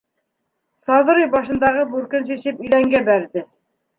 — Саҙрый башындағы бүркен сисеп иҙәнгә бәрҙе.